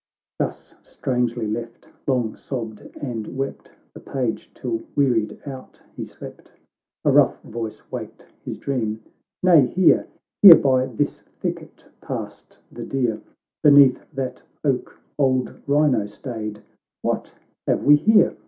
Thus strangely left, long sobbed and wept The page, till, wearied out, he slept— A rough voice waked his dream —" Nay, here, Here by this thicket, passed the deer — Beneath that oak old Ryno stayed — What have we here